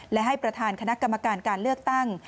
และให้ประธานคณะกรรมการการเลือกตั้ง